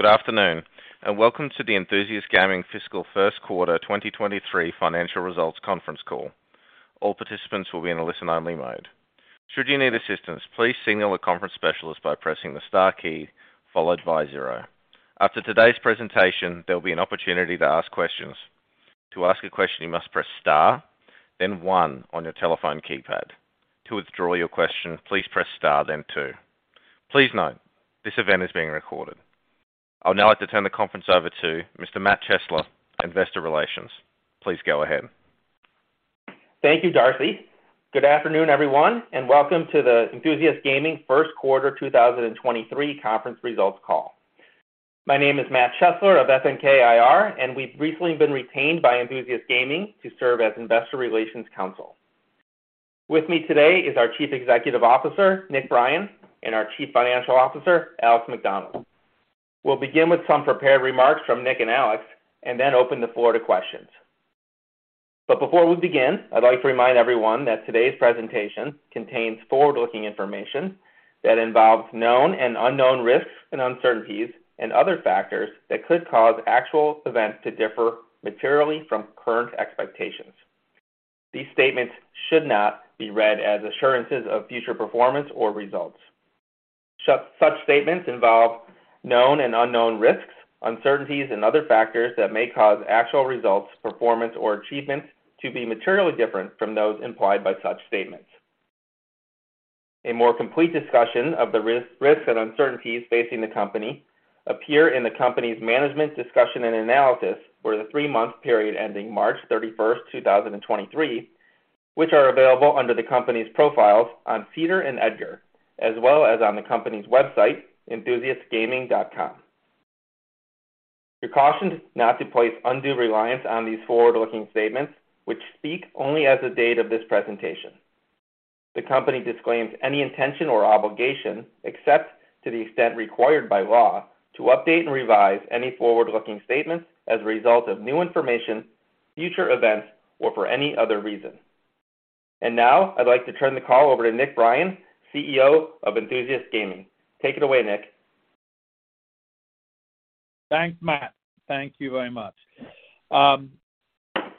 Good afternoon. Welcome to the Enthusiast Gaming Fiscal Q1 2023 financial results conference call. All participants will be in a listen-only mode. Should you need assistance, please signal the conference specialist by pressing the star key followed by zero. After today's presentation, there'll be an opportunity to ask questions. To ask a question, you must press star, then one on your telephone keypad. To withdraw your question, please press star, then two. Please note, this event is being recorded. I'll now like to turn the conference over to Mr. Matthew Chesler, Investor Relations. Please go ahead. Thank you, Darcy. Good afternoon, everyone, welcome to the Enthusiast Gaming Q1 2023 conference results call. My name is Matthew Chesler of FNK IR, we've recently been retained by Enthusiast Gaming to serve as investor relations counsel. With me today is our Chief Executive Officer, Nick Brien, and our Chief Financial Officer, Alex Macdonald. We'll begin with some prepared remarks from Nick and Alex, and then open the floor to questions. Before we begin, I'd like to remind everyone that today's presentation contains forward-looking information that involves known and unknown risks and uncertainties and other factors that could cause actual events to differ materially from current expectations. These statements should not be read as assurances of future performance or results. Such statements involve known and unknown risks, uncertainties, and other factors that may cause actual results, performance, or achievements to be materially different from those implied by such statements. A more complete discussion of the risks and uncertainties facing the company appear in the company's management discussion and analysis for the three-month period ending March 31st, 2023, which are available under the company's profiles on SEDAR and EDGAR, as well as on the company's website, enthusiastgaming.com. You're cautioned not to place undue reliance on these forward-looking statements, which speak only as the date of this presentation. The company disclaims any intention or obligation, except to the extent required by law, to update and revise any forward-looking statements as a result of new information, future events, or for any other reason. Now, I'd like to turn the call over to Nick Brien, CEO of Enthusiast Gaming. Take it away, Nick. Thanks, Matt. Thank you very much.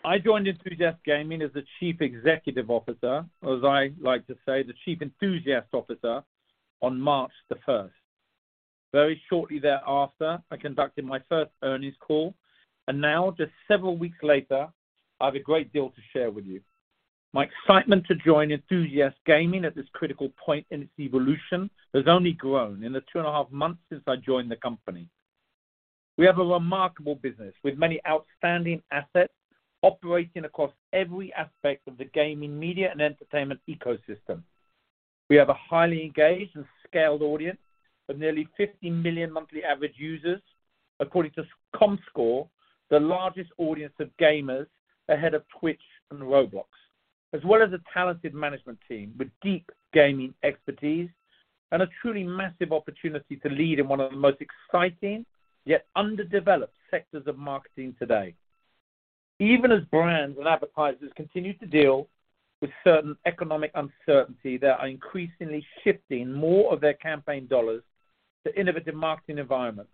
I joined Enthusiast Gaming as the Chief Executive Officer, or as I like to say, the Chief Enthusiast Officer, on March 1st. Very shortly thereafter, I conducted my first earnings call, and now, just several weeks later, I have a great deal to share with you. My excitement to join Enthusiast Gaming at this critical point in its evolution has only grown in the two and a half months since I joined the company. We have a remarkable business with many outstanding assets operating across every aspect of the gaming media and entertainment ecosystem. We have a highly engaged and scaled audience of nearly 50 million monthly average users. According to Comscore, the largest audience of gamers ahead of Twitch and Roblox. As well as a talented management team with deep gaming expertise and a truly massive opportunity to lead in one of the most exciting, yet underdeveloped sectors of marketing today. Even as brands and advertisers continue to deal with certain economic uncertainty, they are increasingly shifting more of their campaign dollars to innovative marketing environments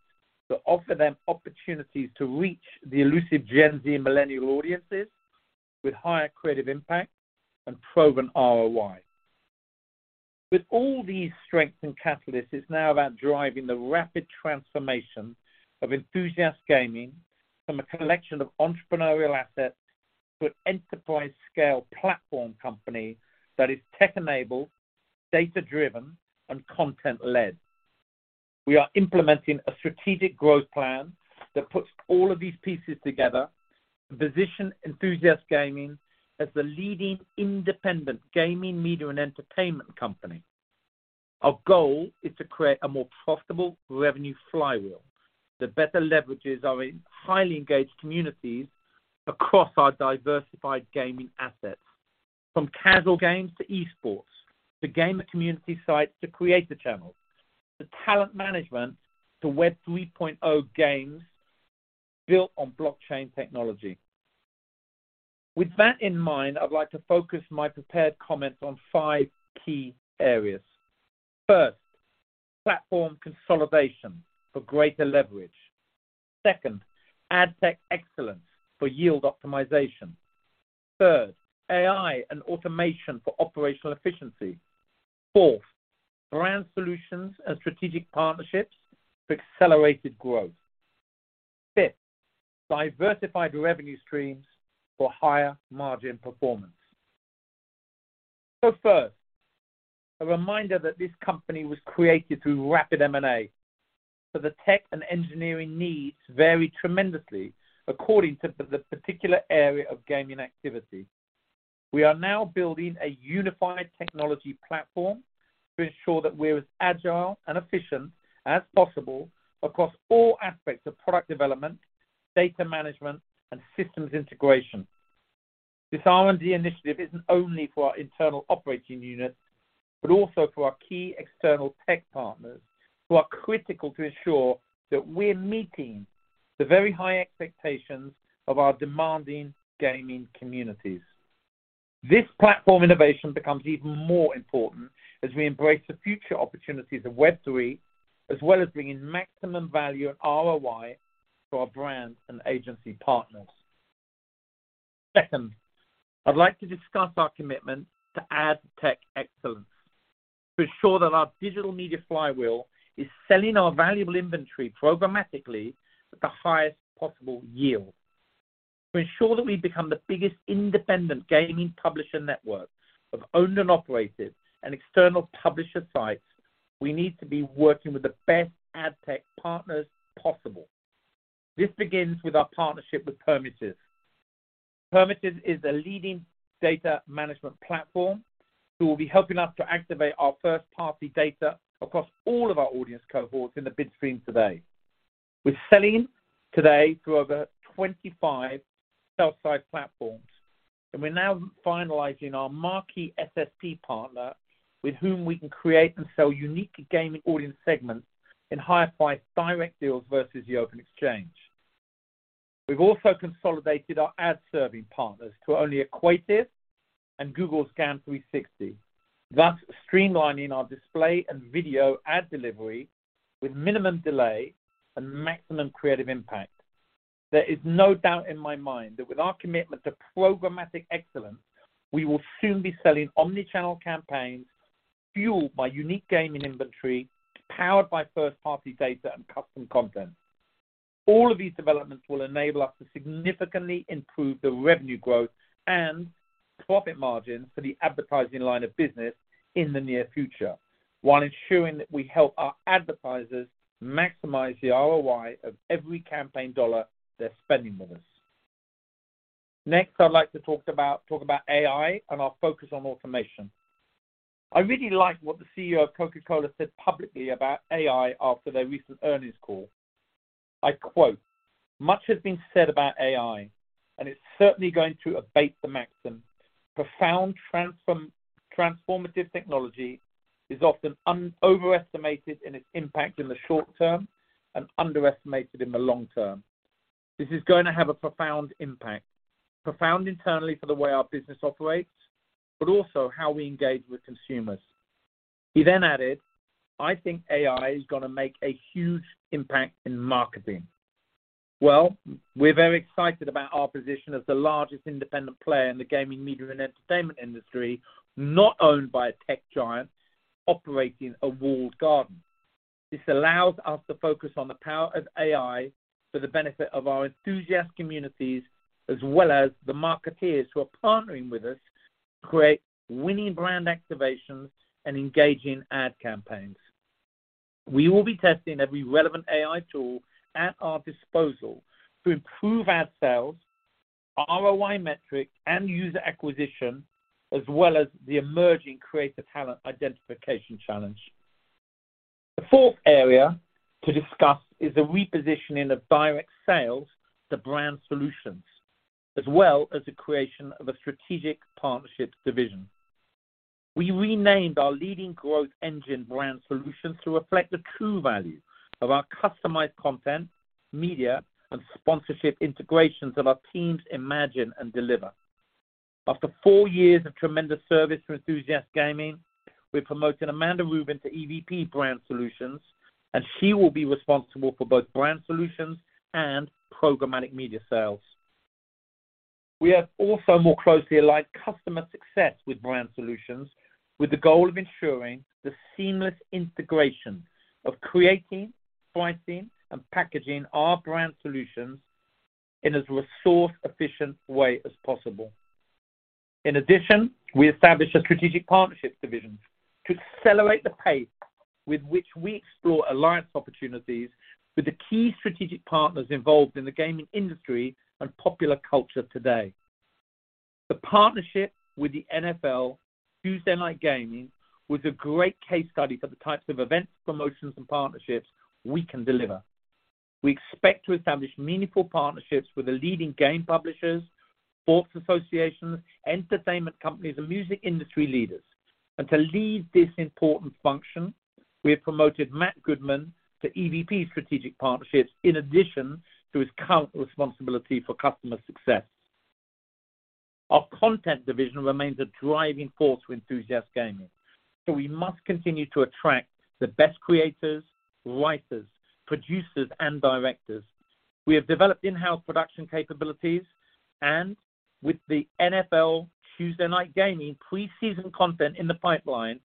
that offer them opportunities to reach the elusive Gen Z Millennial audiences with higher creative impact and proven ROI. With all these strengths and catalysts, it's now about driving the rapid transformation of Enthusiast Gaming from a collection of entrepreneurial assets to an enterprise-scale platform company that is tech-enabled, data-driven, and content-led. We are implementing a strategic growth plan that puts all of these pieces together to position Enthusiast Gaming as the leading independent gaming media and entertainment company. Our goal is to create a more profitable revenue flywheel that better leverages our highly-engaged communities across our diversified gaming assets, from casual games to esports, to gamer community sites, to creator channels, to talent management, to Web 3.0 games built on blockchain technology. With that in mind, I'd like to focus my prepared comments on five key areas. First, platform consolidation for greater leverage. Second, ad tech excellence for yield optimization. Third, AI and automation for operational efficiency. Fourth, Brand Solutions and strategic partnerships for accelerated growth. Fifth, diversified revenue streams for higher margin performance. First, a reminder that this company was created through rapid M&A. The tech and engineering needs vary tremendously according to the particular area of gaming activity. We are now building a unified technology platform to ensure that we're as agile and efficient as possible across all aspects of product development, data management, and systems integration. This R&D initiative isn't only for our internal operating units, but also for our key external tech partners who are critical to ensure that we're meeting the very high expectations of our demanding gaming communities. This platform innovation becomes even more important as we embrace the future opportunities of Web3, as well as bringing maximum value and ROI to our brands and agency partners. I'd like to discuss our commitment to ad tech excellence to ensure that our digital media flywheel is selling our valuable inventory programmatically at the highest possible yield. To ensure that we become the biggest independent gaming publisher network of owned and operated and external publisher sites, we need to be working with the best ad tech partners possible. This begins with our partnership with Permutive. Permutive is a leading data management platform who will be helping us to activate our first-party data across all of our audience cohorts in the bid stream today. We're selling today through over 25 sell-side platforms. We're now finalizing our marquee SSP partner with whom we can create and sell unique gaming audience segments in higher price direct deals versus the open exchange. We've also consolidated our ad serving partners to only Equativ and Google Ad Manager 360, thus streamlining our display and video ad delivery with minimum delay and maximum creative impact. There is no doubt in my mind that with our commitment to programmatic excellence, we will soon be selling omni-channel campaigns fueled by unique gaming inventory, powered by first-party data and custom content. All of these developments will enable us to significantly improve the revenue growth and profit margin for the advertising line of business in the near future, while ensuring that we help our advertisers maximize the ROI of every campaign dollar they're spending with us. I'd like to talk about AI and our focus on automation. I really like what the CEO of Coca-Cola said publicly about AI after their recent earnings call. I quote, "Much has been said about AI, and it's certainly going to abate the maxim. Profound transformative technology is often overestimated in its impact in the short-term and underestimated in the long-term. This is going to have a profound impact, profound internally for the way our business operates, but also how we engage with consumers." He then added, "I think AI is going to make a huge impact in marketing." We're very excited about our position as the largest independent player in the gaming, media, and entertainment industry, not owned by a tech giant operating a walled garden. This allows us to focus on the power of AI for the benefit of our enthusiastic communities, as well as the marketeers who are partnering with us to create winning brand activations and engaging ad campaigns. We will be testing every relevant AI tool at our disposal to improve ad sales, our ROI metric, and user acquisition, as well as the emerging creative talent identification challenge. The fourth area to discuss is the repositioning of direct sales to Brand Solutions, as well as the creation of a strategic partnerships division. We renamed our leading growth engine Brand Solutions to reflect the true value of our customized content, media, and sponsorship integrations that our teams imagine and deliver. After four years of tremendous service for Enthusiast Gaming, we're promoting Amanda Rubin to EVP, Brand Solutions, and she will be responsible for both Brand Solutions and programmatic media sales. We have also more closely aligned customer success with Brand Solutions with the goal of ensuring the seamless integration of creating, pricing, and packaging our Brand Solutions in as resource-efficient way as possible. In addition, we established a strategic partnerships division to accelerate the pace with which we explore alliance opportunities with the key strategic partners involved in the gaming industry and popular culture today. The partnership with the NFL Tuesday Night Gaming was a great case study for the types of events, promotions, and partnerships we can deliver. We expect to establish meaningful partnerships with the leading game publishers, sports associations, entertainment companies, and music industry leaders. To lead this important function, we have promoted Matt Goodman to EVP, Strategic Partnerships, in addition to his current responsibility for customer success. Our content division remains a driving force for Enthusiast Gaming, so we must continue to attract the best creators, writers, producers, and directors. We have developed in-house production capabilities, and with the NFL Tuesday Night Gaming pre-season content in the pipeline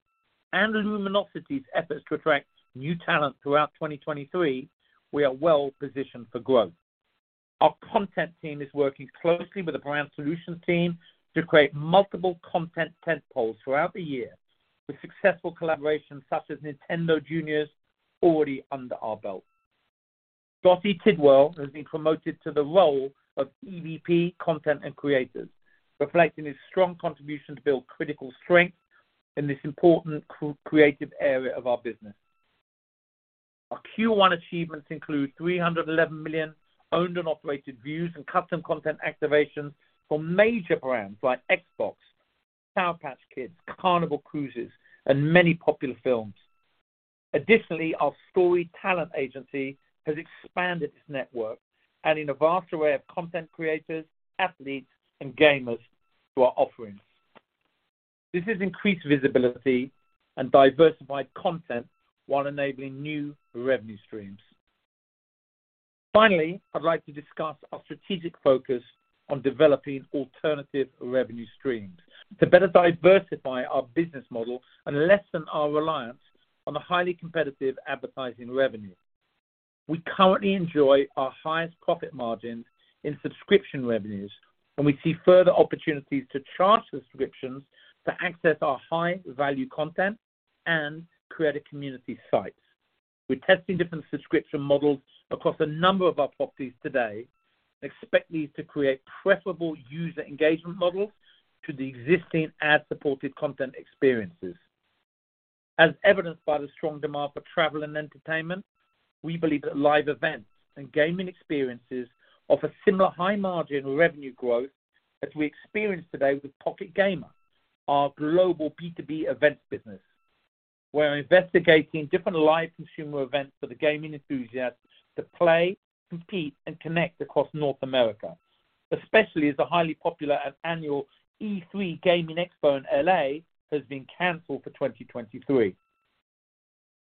and Luminosity's efforts to attract new talent throughout 2023, we are well positioned for growth. Our content team is working closely with the Brand Solutions team to create multiple content tentpoles throughout the year with successful collaborations such as Nintendo Juniors already under our belt. Bill D'Angelo has been promoted to the role of EVP, Content and Creators, reflecting his strong contribution to build critical strength in this important creative area of our business. Our Q1 achievements include 311 million owned and operated views and custom content activations for major brands like Xbox, Cabbage Patch Kids, Carnival Cruises, and many popular films. Additionally, our Storied Talent Agency has expanded its network, adding a vast array of content creators, athletes, and gamers to our offerings. This has increased visibility and diversified content while enabling new revenue streams. Finally, I'd like to discuss our strategic focus on developing alternative revenue streams to better diversify our business model and lessen our reliance on the highly competitive advertising revenue. We currently enjoy our highest profit margin in subscription revenues, and we see further opportunities to charge subscriptions to access our high-value content and create a community site. We're testing different subscription models across a number of our properties today, and expect these to create preferable user engagement models to the existing ad-supported content experiences. As evidenced by the strong demand for travel and entertainment, we believe that live events and gaming experiences offer similar high margin revenue growth as we experience today with Pocket Gamer, our global B2B events business. We're investigating different live consumer events for the gaming enthusiasts to play, compete, and connect across North America, especially as the highly popular and annual E3 Gaming Expo in L.A. has been canceled for 2023.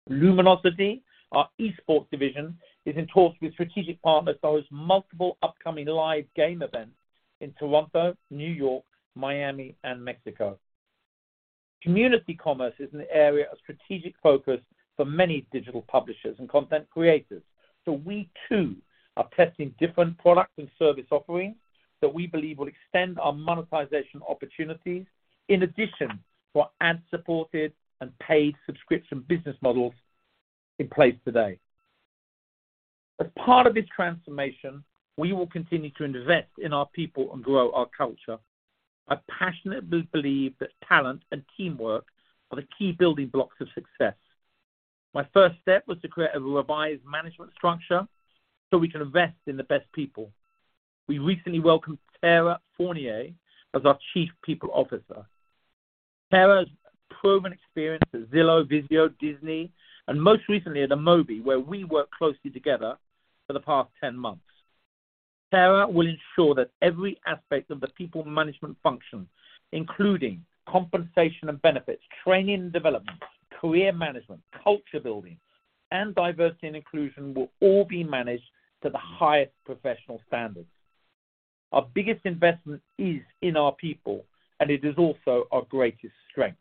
Luminosity, our eSports division, is in talks with strategic partners to host multiple upcoming live game events in Toronto, New York, Miami, and Mexico. Community commerce is an area of strategic focus for many digital publishers and content creators, we too are testing different product and service offerings that we believe will extend our monetization opportunities in addition to our ad-supported and paid subscription business models in place today. As part of this transformation, we will continue to invest in our people and grow our culture. I passionately believe that talent and teamwork are the key building blocks of success. My first step was to create a revised management structure so we can invest in the best people. We recently welcomed Tara Fournier as our Chief People Officer. Tara's proven experience at Zillow, Vizio, Disney, and most recently at InMobi, where we worked closely together for the past 10 months. Tara will ensure that every aspect of the people management function, including compensation and benefits, training and development, career management, culture building, and diversity and inclusion, will all be managed to the highest professional standards. Our biggest investment is in our people, and it is also our greatest strength.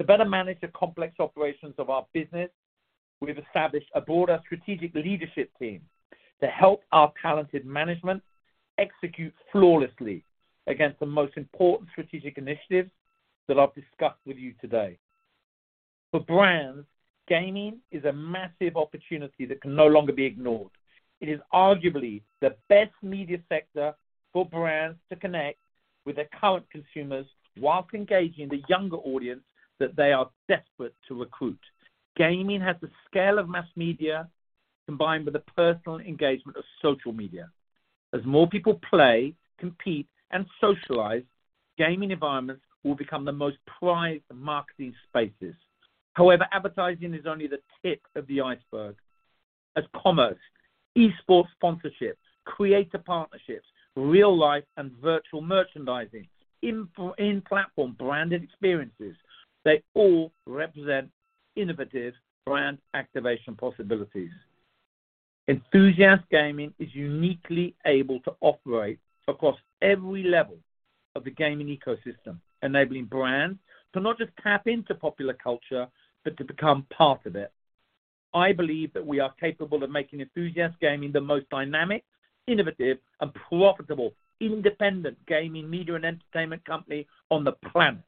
To better manage the complex operations of our business, we've established a broader strategic leadership team to help our talented management execute flawlessly against the most important strategic initiatives that I've discussed with you today. For brands, gaming is a massive opportunity that can no longer be ignored. It is arguably the best media sector for brands to connect with their current consumers whilst engaging the younger audience that they are desperate to recruit. Gaming has the scale of mass media combined with the personal engagement of social media. As more people play, compete, and socialize, gaming environments will become the most prized marketing spaces. Advertising is only the tip of the iceberg. As commerce, esports sponsorships, creator partnerships, real-life and virtual merchandising, in-platform branded experiences, they all represent innovative brand activation possibilities. Enthusiast Gaming is uniquely able to operate across every level of the gaming ecosystem, enabling brands to not just tap into popular culture, but to become part of it. I believe that we are capable of making Enthusiast Gaming the most dynamic, innovative, and profitable independent gaming media and entertainment company on the planet.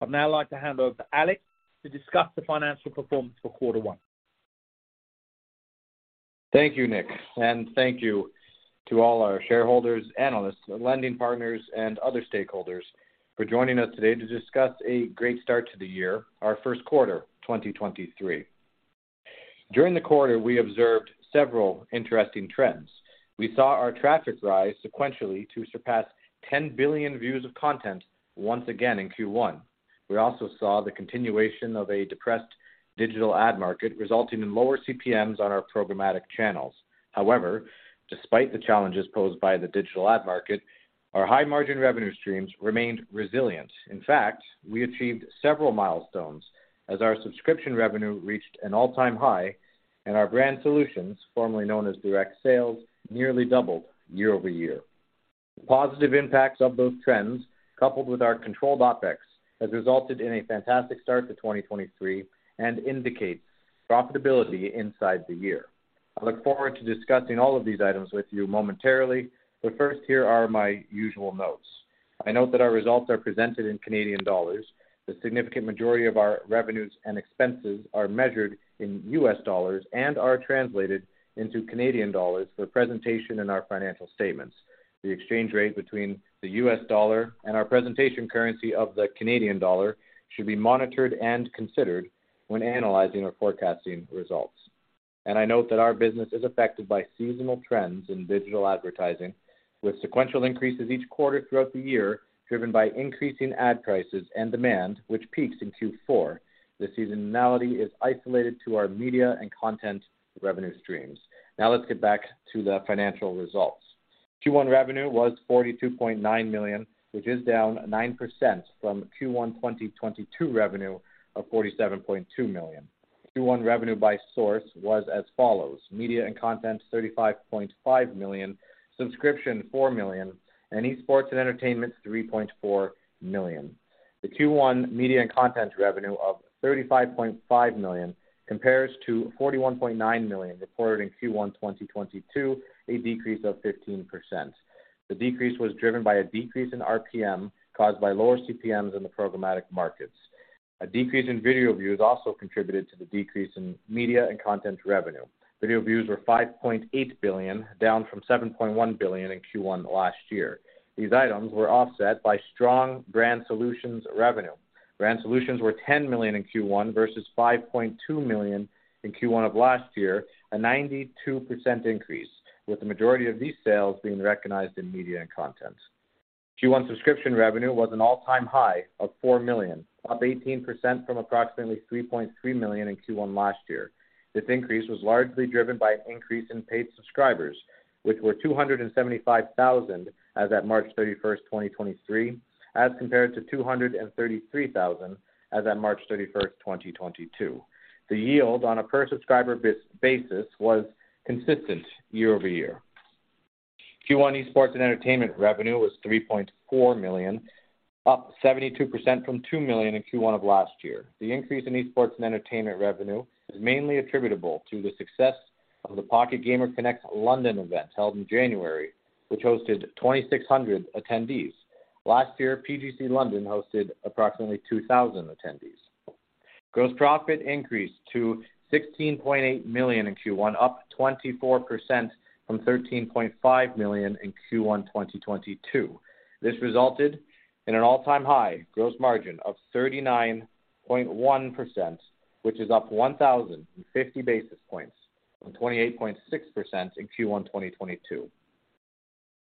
I'd now like to hand over to Alex to discuss the financial performance for quarter one. Thank you, Nick, and thank you to all our shareholders, analysts, lending partners, and other stakeholders for joining us today to discuss a great start to the year, our Q1 2023. During the quarter, we observed several interesting trends. We saw our traffic rise sequentially to surpass 10 billion views of content once again in Q1. We also saw the continuation of a depressed digital ad market, resulting in lower CPMs on our programmatic channels. Despite the challenges posed by the digital ad market, our high-margin revenue streams remained resilient. In fact, we achieved several milestones as our subscription revenue reached an all-time high and our Brand Solutions, formerly known as Direct Sales, nearly doubled year-over-year. The positive impacts of those trends, coupled with our controlled OpEx, has resulted in a fantastic start to 2023 and indicates profitability inside the year. First, here are my usual notes. I note that our results are presented in Canadian dollars. The significant majority of our revenues and expenses are measured in US dollars and are translated into Canadian dollars for presentation in our financial statements. The exchange rate between the US dollar and our presentation currency of the Canadian dollar should be monitored and considered when analyzing or forecasting results. I note that our business is affected by seasonal trends in digital advertising with sequential increases each quarter throughout the year, driven by increasing ad prices and demand, which peaks in Q4. The seasonality is isolated to our media and content revenue streams. Let's get back to the financial results. Q1 revenue was $42.9 million, which is down 9% from Q1 2022 revenue of $47.2 million. Q1 revenue by source was as follows: media and content, $35.5 million; subscription, $4 million; and esports and entertainment, $3.4 million. Q1 media and content revenue of $35.5 million compares to $41.9 million reported in Q1 2022, a decrease of 15%. The decrease was driven by a decrease in RPM caused by lower CPMs in the programmatic markets. A decrease in video views also contributed to the decrease in media and content revenue. Video views were 5.8 billion, down from 7.1 billion in Q1 last year. These items were offset by strong Brand Solutions' revenue. Brand Solutions were 10 million in Q1 versus 5.2 million in Q1 of last year, a 92% increase, with the majority of these sales being recognized in media and content. Q1 subscription revenue was an all-time high of 4 million, up 18% from approximately 3.3 million in Q1 last year. This increase was largely driven by an increase in paid subscribers, which were 275,000 as at March 31, 2023, as compared to 233,000 as at March 31, 2022. The yield on a per-subscriber bi-basis was consistent year-over-year. Q1 esports and entertainment revenue was 3.4 million, up 72% from 2 million in Q1 of last year. The increase in esports and entertainment revenue is mainly attributable to the success of the Pocket Gamer Connects London event held in January, which hosted 2,600 attendees. Last year, PGC London hosted approximately 2,000 attendees. Gross profit increased to $16.8 million in Q1, up 24% from $13.5 million in Q1 2022. This resulted in an all-time high gross margin of 39.1%, which is up 1,050 basis points from 28.6% in Q1 2022.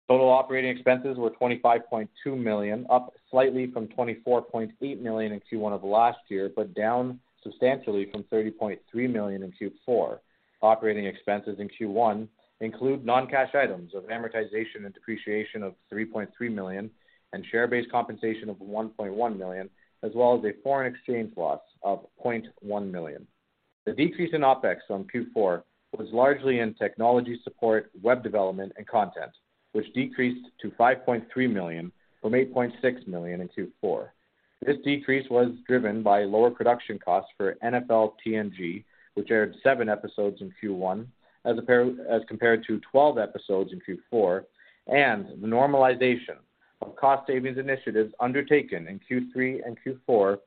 Total operating expenses were $25.2 million, up slightly from $24.8 million in Q1 of last year, but down substantially from $30.3 million in Q4. Operating expenses in Q1 include non-cash items of amortization and depreciation of $3.3 million and share-based compensation of $1.1 million, as well as a foreign exchange loss of $0.1 million. The decrease in OpEx from Q4 was largely in technology support, web development, and content, which decreased to $5.3 million from $8.6 million in Q4. This decrease was driven by lower production costs for NFL TNG, which aired seven episodes in Q1 as compared to 12 episodes in Q4, and the normalization of cost savings initiatives undertaken in Q3 and Q4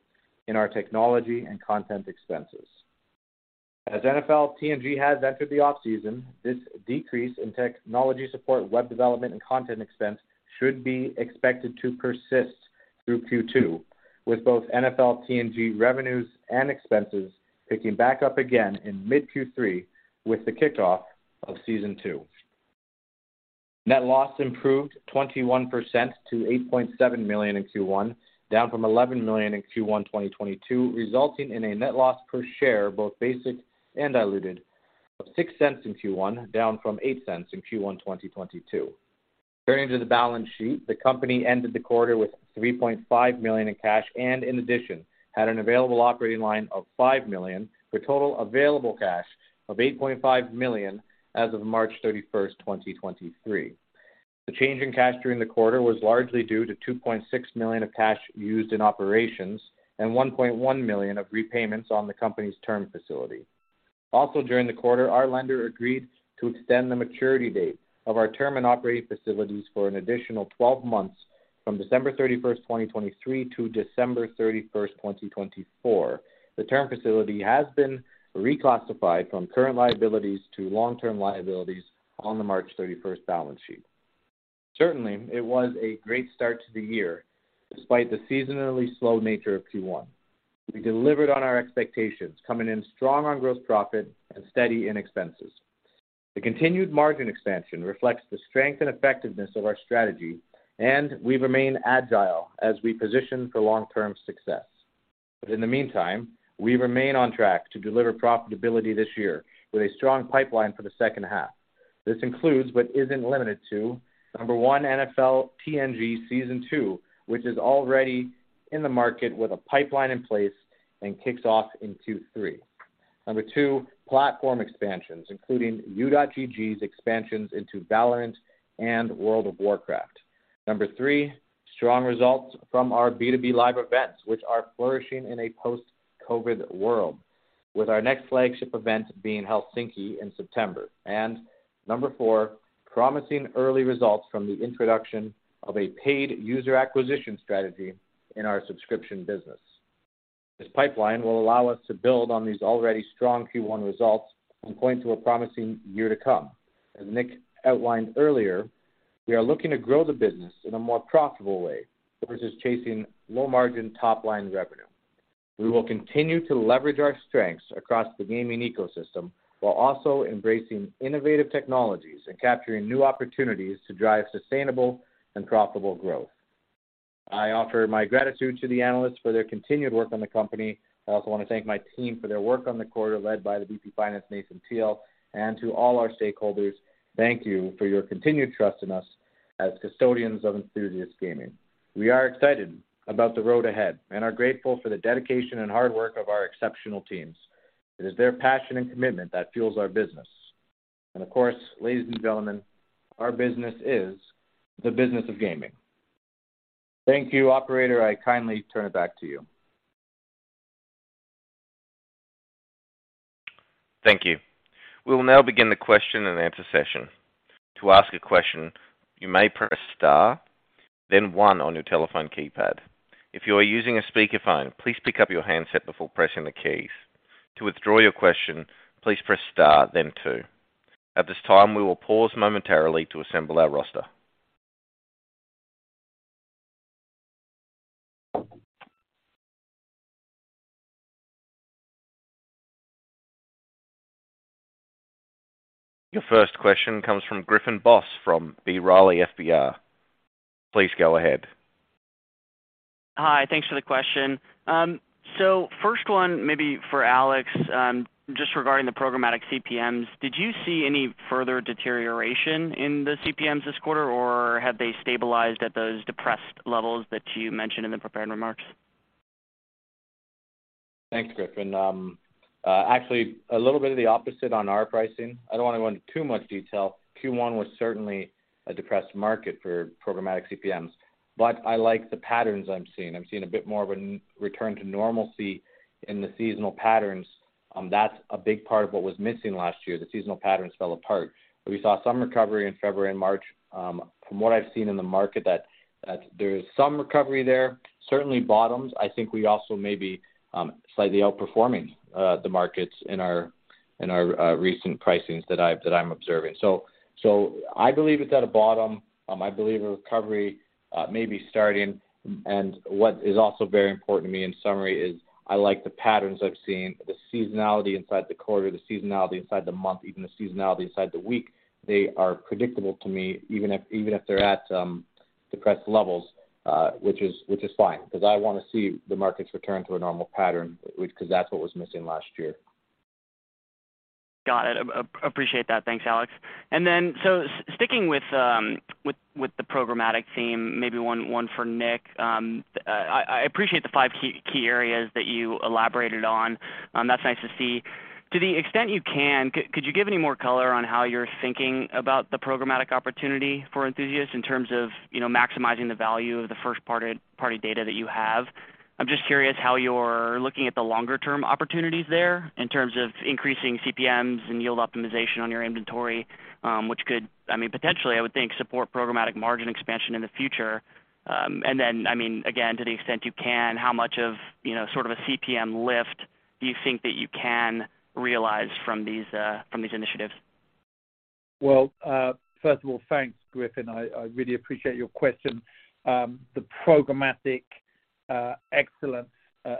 in our technology and content expenses. As NFL TNG has entered the off-season, this decrease in technology support, web development, and content expense should be expected to persist through Q2, with both NFL TNG revenues and expenses picking back up again in mid Q3 with the kickoff of Season two. Net loss improved 21% to 8.7 million in Q1, down from 11 million in Q1 2022, resulting in a net loss per share, both basic and diluted of 0.06 in Q1, down from 0.08 in Q1 2022. Turning to the balance sheet, the company ended the quarter with 3.5 million in cash and in addition, had an available operating line of 5 million, for total available cash of 8.5 million as of March 31st, 2023. The change in cash during the quarter was largely due to $2.6 million of cash used in operations and $1.1 million of repayments on the company's term facility. During the quarter, our lender agreed to extend the maturity date of our term and operating facilities for an additional 12 months from December 31st, 2023 to December 31st, 2024. The term facility has been reclassified from current liabilities to long-term liabilities on the March 31st balance sheet. It was a great start to the year despite the seasonally slow nature of Q1. We delivered on our expectations, coming in strong on gross profit and steady in expenses. The continued margin expansion reflects the strength and effectiveness of our strategy, and we remain agile as we position for long-term success. In the meantime, we remain on track to deliver profitability this year with a strong pipeline for the second half. This includes, but isn't limited to, one, NFL TNG Season 2, which is already in the market with a pipeline in place and kicks off in Q3. Two, platform expansions, including U.GG's expansions into Valorant and World of Warcraft. Three, strong results from our B2B live events, which are flourishing in a post-COVID world with our next flagship event being Helsinki in September. Four, promising early results from the introduction of a paid user acquisition strategy in our subscription business. This pipeline will allow us to build on these already strong Q1 results and point to a promising year to come. As Nick outlined earlier. We are looking to grow the business in a more profitable way versus chasing low-margin top-line revenue. We will continue to leverage our strengths across the gaming ecosystem while also embracing innovative technologies and capturing new opportunities to drive sustainable and profitable growth. I offer my gratitude to the analysts for their continued work on the company. I also want to thank my team for their work on the quarter, led by the VP Finance, Nathan Teal. To all our stakeholders, thank you for your continued trust in us as custodians of Enthusiast Gaming. We are excited about the road ahead and are grateful for the dedication and hard work of our exceptional teams. It is their passion and commitment that fuels our business. Of course, ladies and gentlemen, our business is the business of gaming. Thank you, operator. I kindly turn it back to you. Thank you. We will now begin the question and answer session. To ask a question, you may press star then one on your telephone keypad. If you are using a speakerphone, please pick up your handset before pressing the keys. To withdraw your question, please press star then two. At this time, we will pause momentarily to assemble our roster. Your first question comes from Griffin Boss from B. Riley Securities. Please go ahead. Hi, thanks for the question. First one maybe for Alex, just regarding the programmatic CPMs. Did you see any further deterioration in the CPMs this quarter, or have they stabilized at those depressed levels that you mentioned in the prepared remarks? Thanks, Griffin. Actually a little bit of the opposite on our pricing. I don't want to go into too much detail. Q1 was certainly a depressed market for programmatic CPMs. I like the patterns I'm seeing. I'm seeing a bit more of an return to normalcy in the seasonal patterns. That's a big part of what was missing last year. The seasonal patterns fell apart. We saw some recovery in February and March. From what I've seen in the market that there is some recovery there. Certainly bottoms. I think we also may be slightly outperforming the markets in our, in our recent pricings that I'm observing. I believe it's at a bottom. I believe a recovery may be starting. What is also very important to me in summary is I like the patterns I've seen, the seasonality inside the quarter, the seasonality inside the month, even the seasonality inside the week. They are predictable to me, even if they're at depressed levels, which is fine, because I want to see the markets return to a normal pattern because that's what was missing last year. Got it. Appreciate that. Thanks, Alex. Sticking with the programmatic theme, maybe one for Nick. I appreciate the five key areas that you elaborated on. That's nice to see. To the extent you can, could you give any more color on how you're thinking about the programmatic opportunity for Enthusiast in terms of maximizing the value of the first party data that you have? I'm just curious how you're looking at the longer term opportunities there in terms of increasing CPMs and yield optimization on your inventory, which could... I mean, potentially, I would think support programmatic margin expansion in the future. I mean, again, to the extent you can, how much of, sort of a CPM lift do you think that you can realize from these initiatives? Well, first of all, thanks, Griffin. I really appreciate your question. The programmatic excellent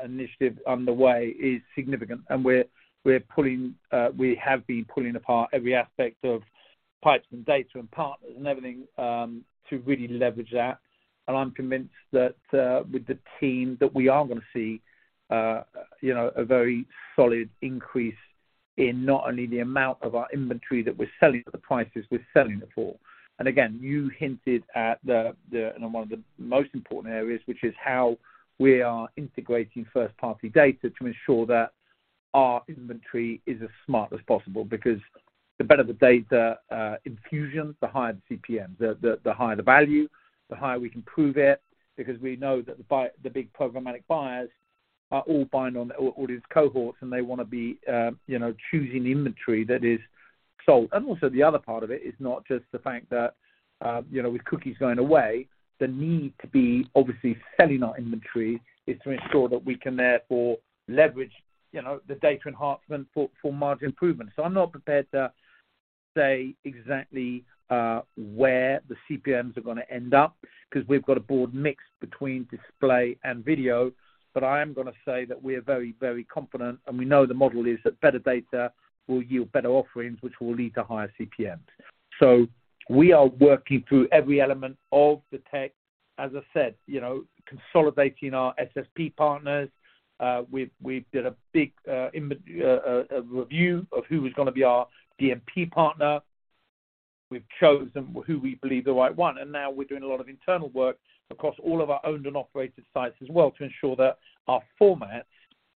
initiative on the way is significant. We have been pulling apart every aspect of pipes and data and partners and everything to really leverage that. I'm convinced that with the team that we are going to see, a very solid increase in not only the amount of our inventory that we're selling at the prices we're selling it for. Again, you hinted at and one of the most important areas, which is how we are integrating first-party data to ensure that our inventory is as smart as possible. The better the data infusion, the higher the CPM, the higher the value, the higher we can prove it, because we know that the big programmatic buyers are all buying on audience cohorts and they want to be, choosing inventory that is sold. Also, the other part of it is not just the fact that, with cookies going away, the need to be obviously selling our inventory is to ensure that we can therefore leverage, the data enhancement for margin improvement. I'm not prepared to say exactly where the CPMs are going to end up 'cause we've got a broad mix between display and video. I am going to say that we are very, very confident, and we know the model is that better data will yield better offerings, which will lead to higher CPMs. We are working through every element of the tech. As I said, consolidating our SSP partners. We did a big review of who was going to be our DMP partner. We've chosen who we believe the right one, and now we're doing a lot of internal work across all of our owned and operated sites as well to ensure that our formats,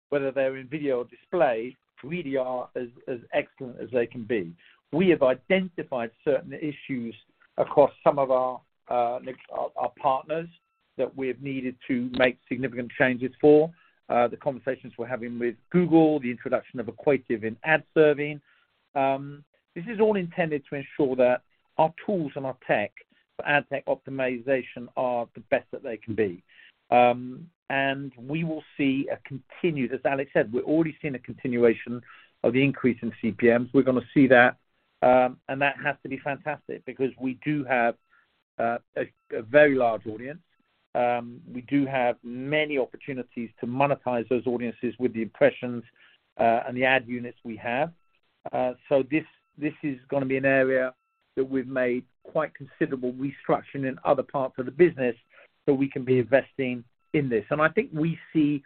whether they're in video or display, really are as excellent as they can be. We have identified certain issues across some of our partners that we've needed to make significant changes for. The conversations we're having with Google, the introduction of Equativ in ad serving. This is all intended to ensure that our tools and our tech for ad tech optimization are the best that they can be. We will see a continued, as Alex said, we're already seeing a continuation of the increase in CPMs. We're going to see that. That has to be fantastic because we do have a very large audience. We do have many opportunities to monetize those audiences with the impressions and the ad units we have. This is going to be an area that we've made quite considerable restructuring in other parts of the business, so we can be investing in this. I think we see,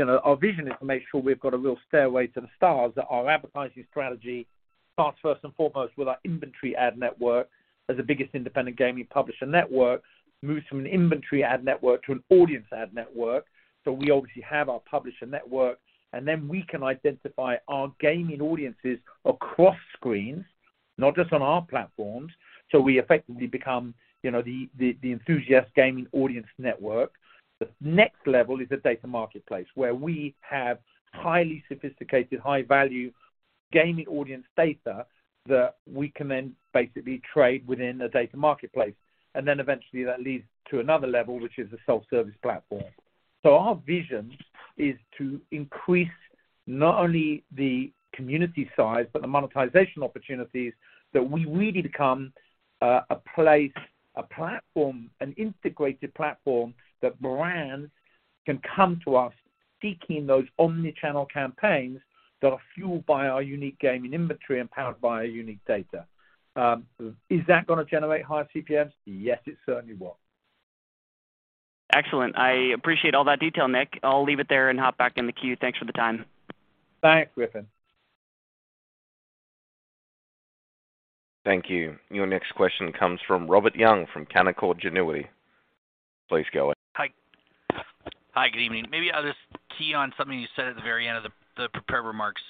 our vision is to make sure we've got a real stairway to the stars, that our advertising strategy starts first and foremost with our inventory ad network as the biggest independent gaming publisher network, moves from an inventory ad network to an audience ad network. We obviously have our publisher network, and then we can identify our gaming audiences across screens, not just on our platforms. We effectively become the Enthusiast Gaming audience network. The next level is the data marketplace, where we have highly sophisticated, high-value gaming audience data that we can then basically trade within a data marketplace. Eventually that leads to another level, which is a self-service platform. Our vision is to increase not only the community size, but the monetization opportunities that we really become a place, a platform, an integrated platform that brands can come to us seeking those omni-channel campaigns that are fueled by our unique gaming inventory and powered by our unique data. Is that going to generate higher CPMs? Yes, it certainly will. Excellent. I appreciate all that detail, Nick. I'll leave it there and hop back in the queue. Thanks for the time. Thanks, Griffin. Thank you. Your next question comes from Robert Young from Canaccord Genuity. Please go ahead. Hi. Hi, good evening. Maybe I'll just key on something you said at the very end of the prepared remarks,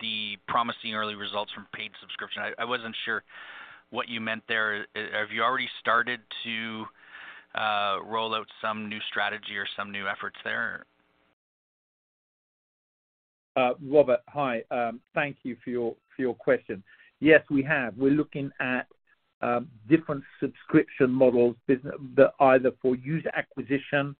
the promising early results from paid subscription. I wasn't sure what you meant there. Have you already started to roll out some new strategy or some new efforts there? Robert, hi. Thank you for your question. Yes, we have. We're looking at different subscription models that either for user acquisition,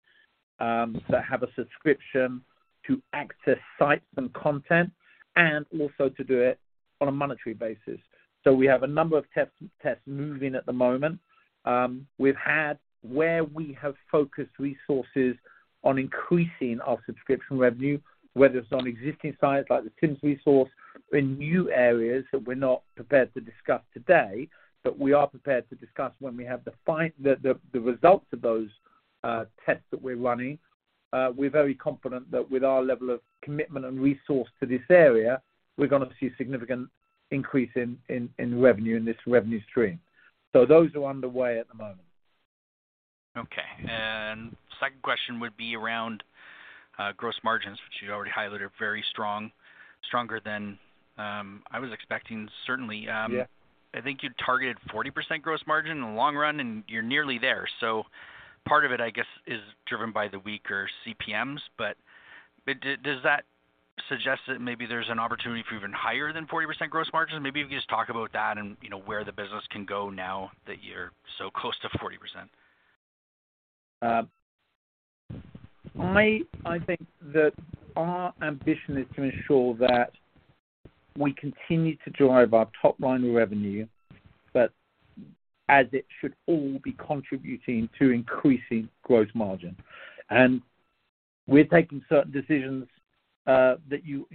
that have a subscription to access sites and content, and also to do it on a monetary basis. We have a number of tests moving at the moment. We've had where we have focused resources on increasing our subscription revenue, whether it's on existing sites like The Sims Resource, or in new areas that we're not prepared to discuss today, but we are prepared to discuss when we have the results of those tests that we're running. We're very confident that with our level of commitment and resource to this area, we're going to see a significant increase in revenue in this revenue stream. Those are underway at the moment. Okay. Second question would be around gross margins, which you already highlighted are very strong, stronger than I was expecting certainly. Yes. I think you'd targeted 40% gross margin in the long run, and you're nearly there. Part of it, I guess, is driven by the weaker CPMs. does that suggest that maybe there's an opportunity for even higher than 40% gross margins? Maybe if you could just talk about that and, where the business can go now that you're so close to 40%. I think that our ambition is to ensure that we continue to drive our top line revenue, but as it should all be contributing to increasing gross margin. We're taking certain decisions that you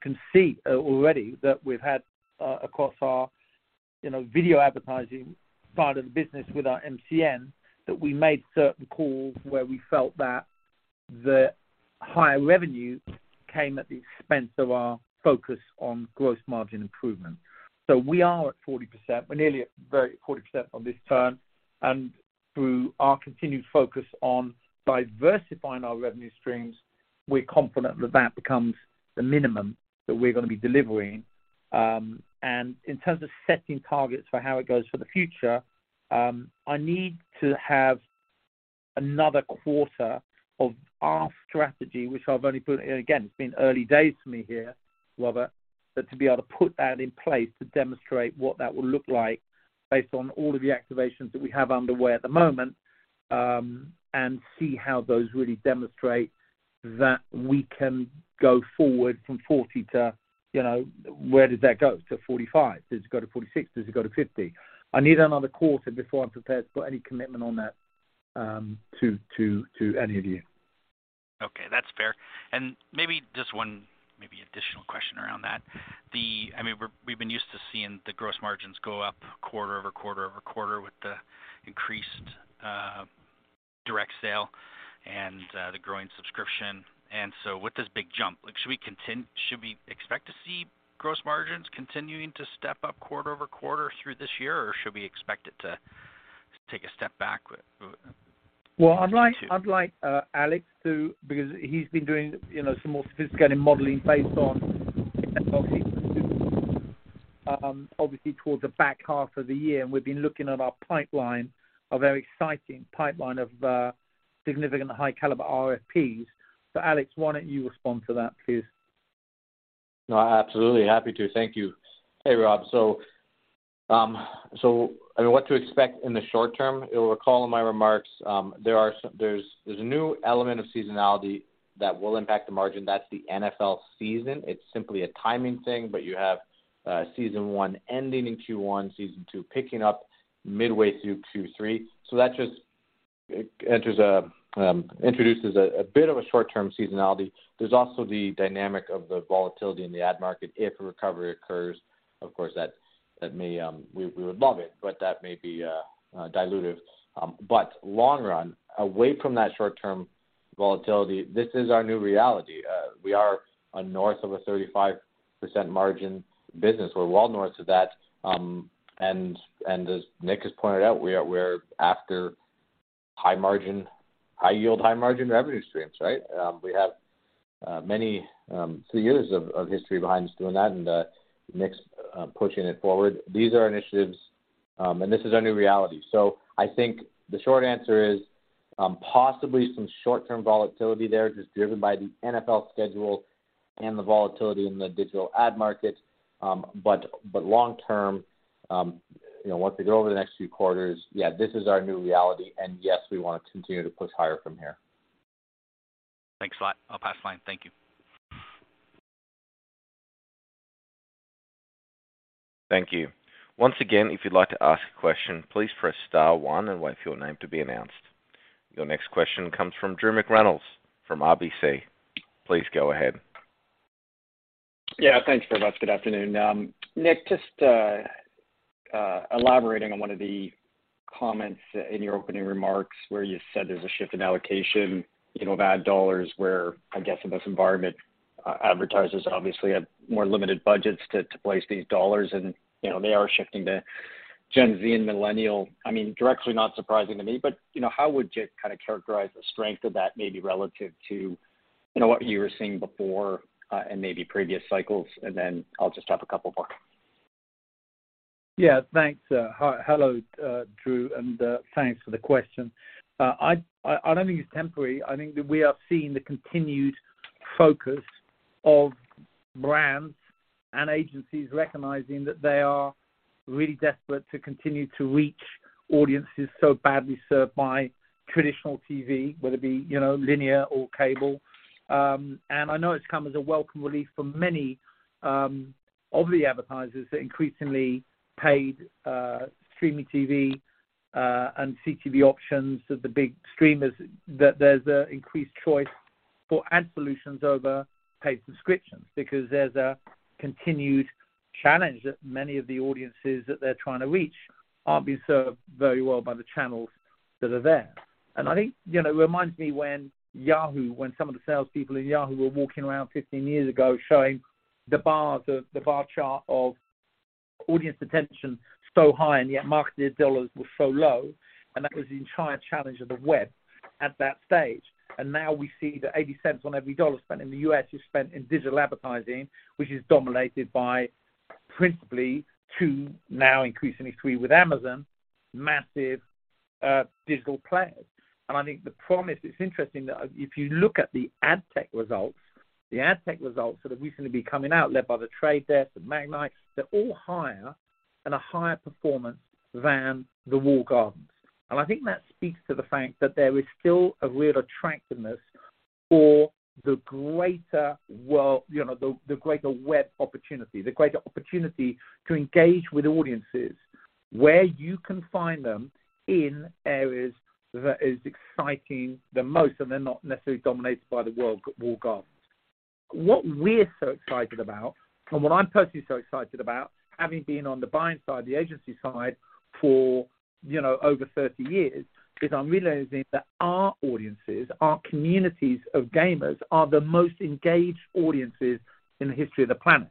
can see already that we've had across our, video advertising part of the business with our MCN, that we made certain calls where we felt that the higher revenue came at the expense of our focus on gross margin improvement. We are at 40%. We're nearly at 40% on this term. Through our continued focus on diversifying our revenue streams, we're confident that that becomes the minimum that we're going to be delivering. In terms of setting targets for how it goes for the future, I need to have another quarter of our strategy, which I've only put in. It's been early days for me here, Robert, but to be able to put that in place to demonstrate what that will look like based on all of the activations that we have underway at the moment, and see how those really demonstrate that we can go forward from 40 to, where does that go? To 45. Does it go to 46? Does it go to 50? I need another quarter before I'm prepared to put any commitment on that to any of you. Okay, that's fair. Maybe just one maybe additional question around that? I mean, we've been used to seeing the gross margins go up quarter-over-quarter over quarter with the increased direct sale and the growing subscription. With this big jump, like should we expect to see gross margins continuing to step up quarter-over-quarter through this year or should we expect it to take a step backward? Well, I'd like Alex to... because he's been doing some more sophisticated modeling based on obviously towards the back half of the year, and we've been looking at our pipeline, a very exciting pipeline of significant high caliber RFPs. Alex, why don't you respond to that, please? No, absolutely. Happy to. Thank you. Hey, Rob. I mean, what to expect in the short-term, you'll recall in my remarks, there's a new element of seasonality that will impact the margin. That's the NFL season. It's simply a timing thing. You have season one ending in Q1, season two picking up midway through Q3. That just introduces a bit of a short term seasonality. There's also the dynamic of the volatility in the ad market if a recovery occurs. Of course, that may, we would love it, but that may be dilutive. Long run, away from that short term volatility, this is our new reality. We are a north of a 35% margin business. We're well north of that. As Nick has pointed out, we are, we're after high margin, high yield, high margin revenue streams, right? We have many three years of history behind us doing that and Nick's pushing it forward. These are initiatives, and this is our new reality. I think the short answer is possibly some short-term volatility there, just driven by the NFL schedule and the volatility in the digital ad market. But long-term, once we get over the next few quarters, yes, this is our new reality. Yes, we want to continue to push higher from here. Thanks a lot. I'll pass the line. Thank you. Thank you. Once again, if you'd like to ask a question, please press star one and wait for your name to be announced. Your next question comes from Drew McReynolds from RBC. Please go ahead. Yes, thanks very much. Good afternoon. Nick, just elaborating on one of the comments in your opening remarks where you said there's a shift in allocation, of ad dollars, where I guess in this environment, advertisers obviously have more limited budgets to place these dollars and, they are shifting to Gen Z and millennial. I mean, directly not surprising to me, but, how would you characterize the strength of that maybe relative to, what you were seeing before and maybe previous cycles? I'll just have a couple more. Yes, thanks. Hello, Drew, and thanks for the question. I don't think it's temporary. I think that we are seeing the continued focus of brands and agencies recognizing that they are really desperate to continue to reach audiences so badly served by traditional TV, whether it be, linear or cable. I know it's come as a welcome relief for many of the advertisers that increasingly paid streaming TV and CTV options that the big streamers, that there's a increased choice for ad solutions over paid subscriptions because there's a continued challenge that many of the audiences that they're trying to reach aren't being served very well by the channels that are there. I think, it reminds me when some of the salespeople in Yahoo were walking around 15 years ago showing the bars of, the bar chart of audience attention so high, and yet marketed dollars were so low, and that was the entire challenge of the web at that stage. Now we see that $0.80 on every dollar spent in the US is spent in digital advertising, which is dominated by principally two, now increasingly three with Amazon, massive digital players. I think the promise, it's interesting that if you look at the ad tech results, the ad tech results that have recently been coming out, led by The Trade Desk and Magnite, they're all higher and a higher performance than the walled gardens. I think that speaks to the fact that there is still a real attractiveness for the greater world, the greater web opportunity, the greater opportunity to engage with audiences where you can find them in areas that is exciting the most, and they're not necessarily dominated by the walled gardens. What we're so excited about, and what I'm personally so excited about, having been on the buying side, the agency side, for over 30 years, is I'm realizing that our audiences, our communities of gamers are the most engaged audiences in the history of the planet.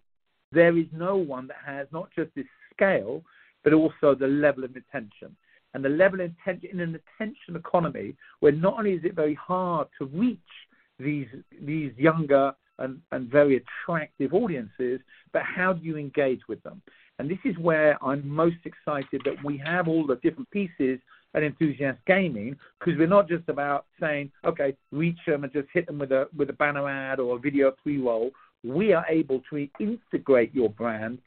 There is no one that has not just this scale, but also the level of attention. The level of intent in an attention economy, where not only is it very hard to reach these younger and very attractive audiences, but how do you engage with them? This is where I'm most excited that we have all the different pieces at Enthusiast Gaming, because we're not just about saying, "Okay, reach them and just hit them with a banner ad or a video pre-roll." We are able to integrate your brand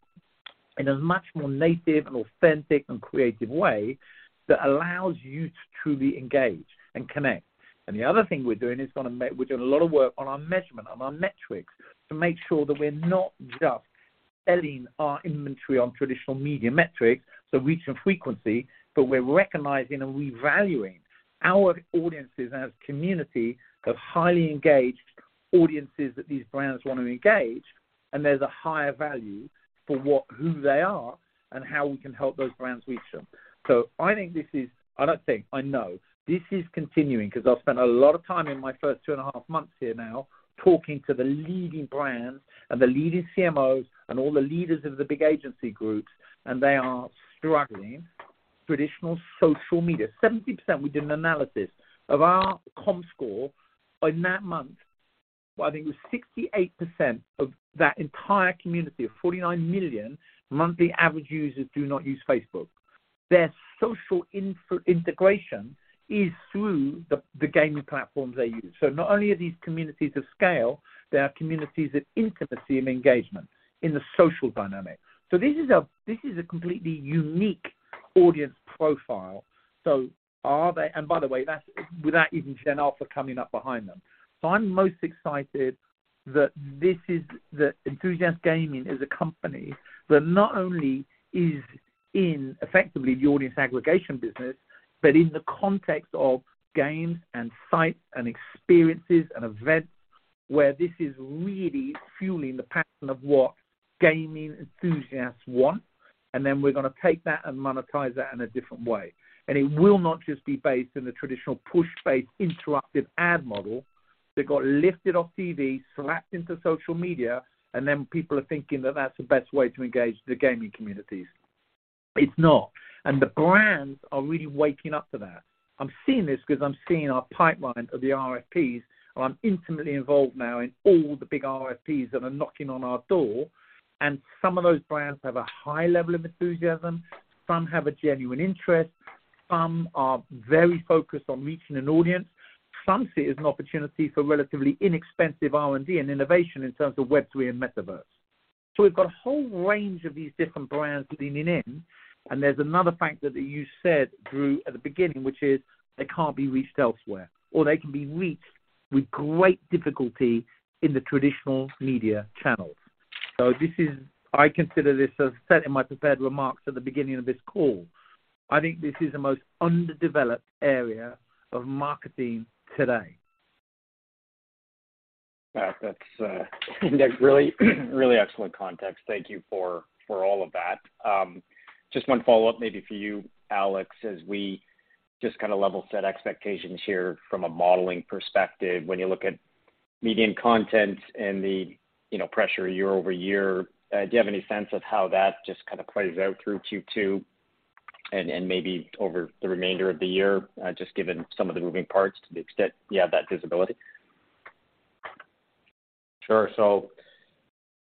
in a much more native and authentic and creative way that allows you to truly engage and connect. The other thing we're doing a lot of work on our measurement, on our metrics to make sure that we're not just selling our inventory on traditional media metrics, so reach and frequency, but we're recognizing and revaluing our audiences as community of highly engaged audiences that these brands want to engage, and there's a higher value for who they are and how we can help those brands reach them. I think this is... I don't think, I know this is continuing because I've spent a lot of time in my first two and a half months here now talking to the leading brands and the leading CMOs and all the leaders of the big agency groups, they are struggling. Traditional social media, 70%, we did an analysis of our Comscore by that month, I think it was 68% of that entire community of 49 million monthly average users do not use Facebook. Their social info-integration is through the gaming platforms they use. Not only are these communities of scale, they are communities of intimacy and engagement in the social dynamic. This is a completely unique audience profile. By the way, that's without even Gen Alpha coming up behind them. I'm most excited that Enthusiast Gaming is a company that not only is in effectively the audience aggregation business, but in the context of games and sites and experiences and events where this is really fueling the pattern of what gaming enthusiasts want, and then we're going to take that and monetize that in a different way. It will not just be based in the traditional push-based interactive ad model that got lifted off TV, slapped into social media, and then people are thinking that that's the best way to engage the gaming communities. It's not. The brands are really waking up to that. I'm seeing this because I'm seeing our pipeline of the RFPs, and I'm intimately involved now in all the big RFPs that are knocking on our door, and some of those brands have a high-level of enthusiasm, some have a genuine interest, some are very focused on reaching an audience, some see it as an opportunity for relatively inexpensive R&D and innovation in terms of Web3 and Metaverse. We've got a whole range of these different brands leaning in, and there's another factor that you said, Drew, at the beginning, which is they can't be reached elsewhere, or they can be reached with great difficulty in the traditional media channels. I consider this, as I said in my prepared remarks at the beginning of this call, I think this is the most underdeveloped area of marketing today. Yes. That's really, really excellent context. Thank you for all of that. Just one follow-up maybe for you, Alex, as we just kind of level set expectations here from a modeling perspective. When you look at median content and the, pressure year-over-year, do you have any sense of how that just kind of plays out through Q2 and maybe over the remainder of the year, just given some of the moving parts to the extent you have that visibility? Well,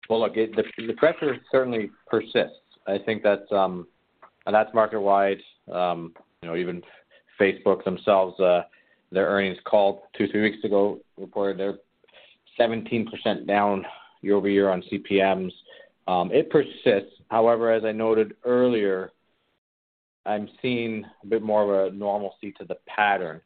look, the pressure certainly persists. I think that's market-wide, even Facebook themselves, their earnings call two, three weeks ago reported they're 17% down year-over-year on CPMs. It persists. As I noted earlier, I'm seeing a bit more of a normalcy to the pattern.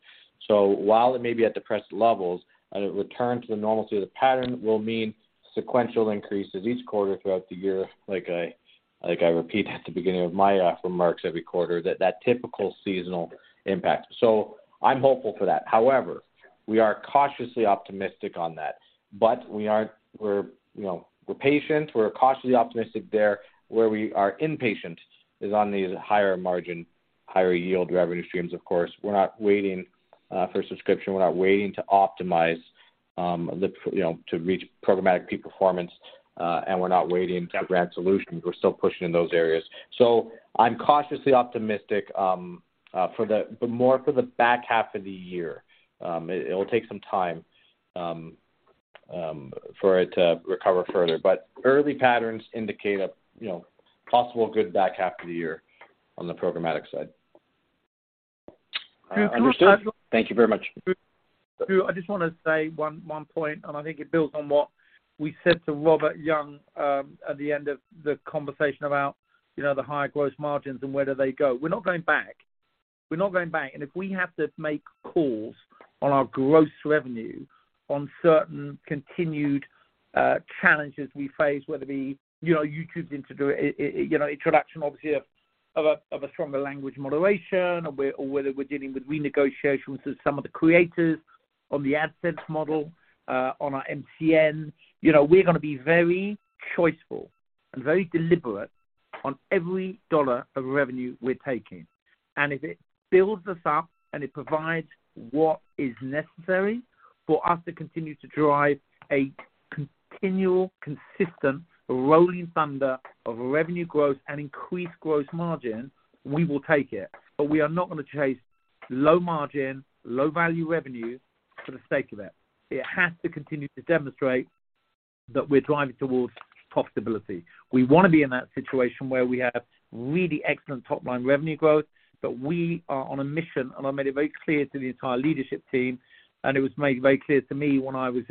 While it may be at depressed levels, a return to the normalcy of the pattern will mean sequential increases each quarter throughout the year, like I repeat at the beginning of my remarks every quarter, that typical seasonal impact. I'm hopeful for that. We are cautiously optimistic on that. We're, we're patient. We're cautiously optimistic there. Where we are impatient is on these higher margin, higher yield revenue streams, of course. We're not waiting for subscription. We're not waiting to optimize, to reach programmatic peak performance, and we're not waiting for Brand Solutions. We're still pushing in those areas. I'm cautiously optimistic, but more for the back half of the year. It, it'll take some time, for it to recover further, but early patterns indicate a possible good back half of the year on the programmatic side. Understood. Thank you very much. Drew, I just want to say one point, I think it builds on what we said to Robert Young at the end of the conversation about the higher gross margins and where do they go. We're not going back. We're not going back. If we have to make calls on our gross revenue on certain continued challenges we face, whether it be, YouTube's introduction obviously of a stronger language moderation or whether we're dealing with renegotiation with some of the creators on the AdSense model on our MCN. we're going to be very choiceful and very deliberate on every dollar of revenue we're taking. If it builds us up and it provides what is necessary for us to continue to drive a continual, consistent rolling thunder of revenue growth and increased gross margin, we will take it. We are not going to chase low margin, low value revenue for the sake of it. It has to continue to demonstrate that we're driving towards profitability. We want to be in that situation where we have really excellent top-line revenue growth, but we are on a mission, and I made it very clear to the entire leadership team, and it was made very clear to me when I was,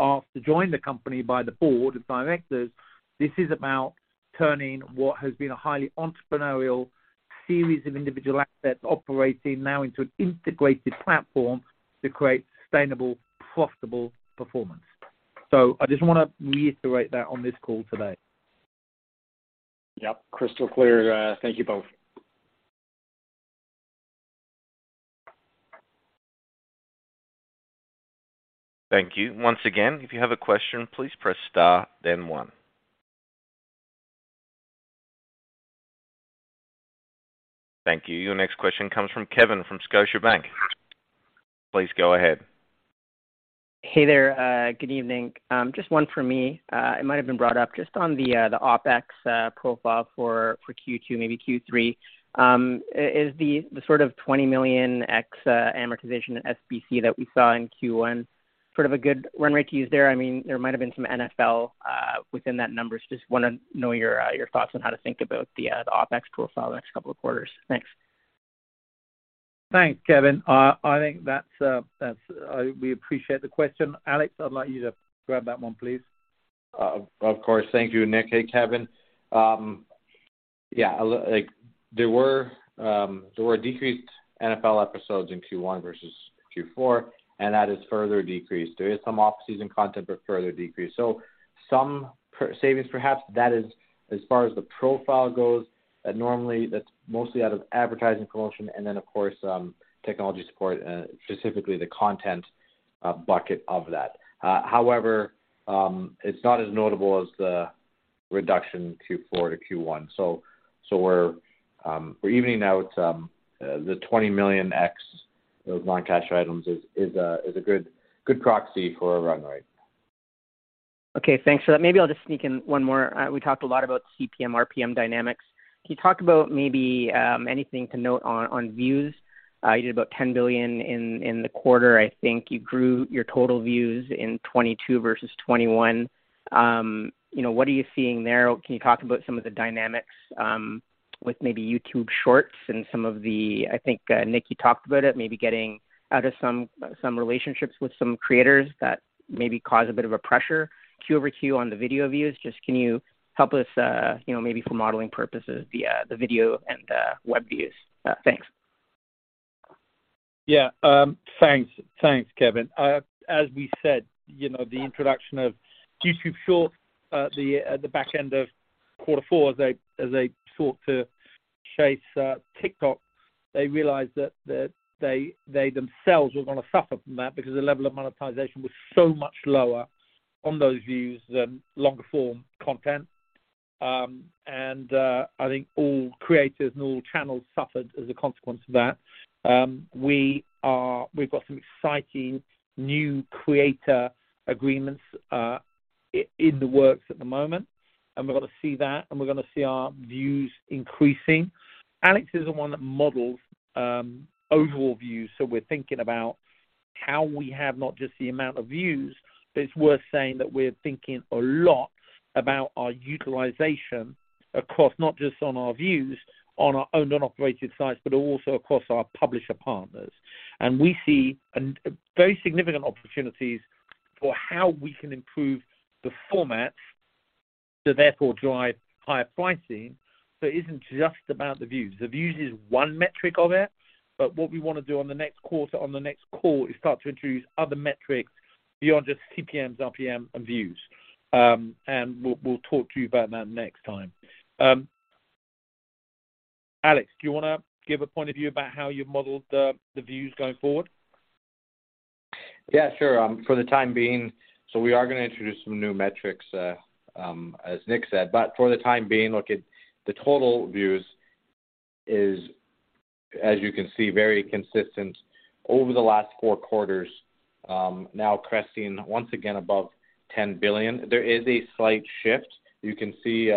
asked to join the company by the board of directors, this is about turning what has been a highly entrepreneurial series of individual assets operating now into an integrated platform to create sustainable, profitable performance. I just want to reiterate that on this call today. Yes. Crystal clear. Thank you both. Thank you. Once again, if you have a question, please press star then one. Thank you. Your next question comes from Kevin from Scotiabank. Please go ahead. Hey there. Good evening. Just one for me. It might have been brought up. Just on the OpEx profile for Q2, maybe Q3. Is the $20 million ex amortization and SBC that we saw in Q1 sort of a good run rate to use there? I mean, there might have been some NFL within that numbers. Just want to know your thoughts on how to think about the OpEx profile the next couple of quarters. Thanks. Thanks, Kevin. We appreciate the question. Alex, I'd like you to grab that one, please. Of course. Thank you, Nick. Hey, Kevin. Look, there were decreased NFL episodes in Q1 versus Q4, and that is further decreased. There is some off-season content, but further decreased. Some savings perhaps that is as far as the profile goes, and normally, that's mostly out of advertising promotion and then, of course, technology support, specifically the content, bucket of that. However, it's not as notable as the reduction in Q4 to Q1. We're evening out, the $20 million X of non-cash items is a good proxy for a run rate. Okay. Thanks for that. Maybe I'll just sneak in one more. We talked a lot about CPM, RPM dynamics. Can you talk about maybe, anything to note on views? You did about 10 billion in the quarter. I think you grew your total views in 2022 versus 2021. what are you seeing there? Can you talk about some of the dynamics, with maybe YouTube Shorts and some of the... I think, Nick, you talked about it, maybe getting out of some relationships with some creators that maybe cause a bit of a pressure Q over Q on the video views. Just can you help us, maybe for modeling purposes, the video and the web views? Thanks. Yes. Thanks, Kevin. As we said, the introduction of YouTube Shorts, the back end of quarter four as they sought to chase TikTok, they realized that they themselves were going to suffer from that because the level of monetization was so much lower on those views than longer form content. I think all creators and all channels suffered as a consequence of that. We've got some exciting new creator agreements in the works at the moment, and we're going to see that, and we're going to see our views increasing. Alex is the one that models overall views. We're thinking about how we have not just the amount of views, but it's worth saying that we're thinking a lot about our utilization across not just on our views on our owned and operated sites, but also across our publisher partners. We see very significant opportunities for how we can improve the formats to therefore drive higher pricing. It isn't just about the views. The views is one metric of it. What we want to do on the next quarter, on the next call, is start to introduce other metrics beyond just CPMs, RPM and views. We'll talk to you about that next time. Alex, do you want to give a point of view about how you've modeled the views going forward? Yes, sure. We are going to introduce some new metrics, as Nick said. For the time being, look at the total views is, as you can see, very consistent over the last four quarters, now cresting once again above 10 billion. There is a slight shift. You can see,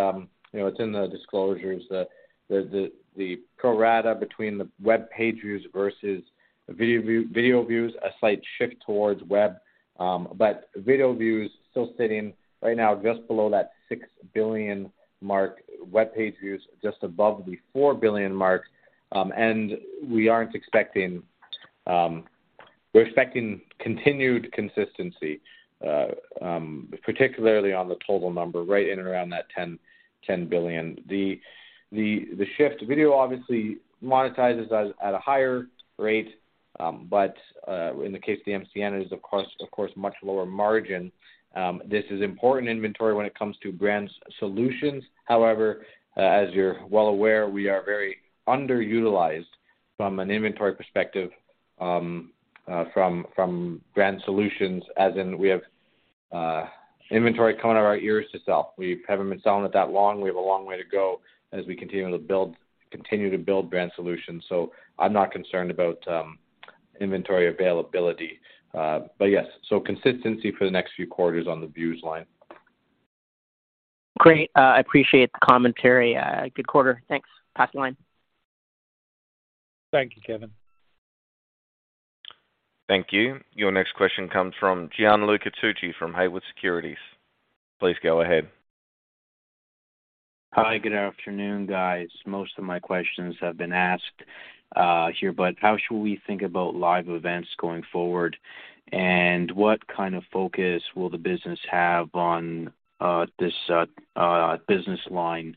it's in the disclosures, the pro rata between the web page views versus the video views, a slight shift towards web, but video views still sitting right now just below that 6 billion mark, web page views just above the 4 billion mark. We're expecting continued consistency, particularly on the total number, right in and around that 10 billion. The shift, video obviously monetizes at a higher rate, in the case of the MCN is of course much lower margin. This is important inventory when it comes to Brand Solutions. However, as you're well aware, we are very underutilized from an inventory perspective, from Brand Solutions, as in we have inventory coming out of our ears to sell. We haven't been selling it that long. We have a long way to go as we continue to build Brand Solutions. I'm not concerned about inventory availability. Yes, consistency for the next few quarters on the views line. Great. I appreciate the commentary. Good quarter. Thanks. Pass the line. Thank you, Kevin. Thank you. Your next question comes from Gianluca Tucci from Haywood Securities. Please go ahead. Hi, good afternoon, guys. Most of my questions have been asked, here, but how should we think about live events going forward, and what focus will the business have on, this, business line?